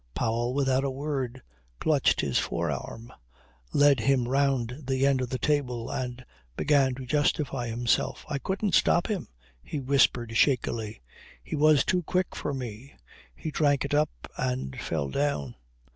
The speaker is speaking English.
Powell, without a word, clutched his forearm, led him round the end of the table and began to justify himself. "I couldn't stop him," he whispered shakily. "He was too quick for me. He drank it up and fell down."